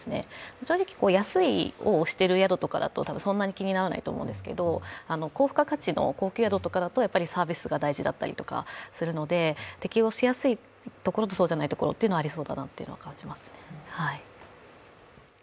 正直安いを推している宿とかだとたぶんそんなに気にならないと思うんですけど、高付加価値の高級宿だとサービスが大事だったりとかするので、適用しやすいところとそうじゃないところっていうのはありそう。